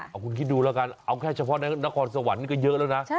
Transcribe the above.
เอาคุณคิดดูแล้วกันเอาแค่เฉพาะในนครสวรรค์ก็เยอะแล้วนะ